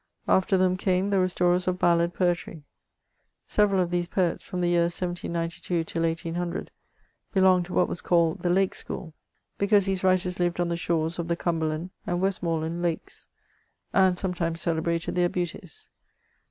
After them came the restorers of ballad poetry. Several of these poets, from the year 1792 till 1800, belonged to what was called the lake Sekooly becaose these writers lived on the shores of the Cum berland and Westmoreland lakes, and sometimes celebrated their beauties.